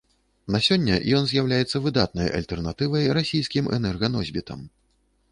На сёння ён з'яўляецца выдатнай альтэрнатывай расійскім энерганосьбітам.